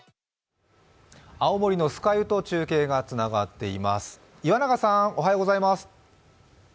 青森の酸ヶ湯と中継がつながっています。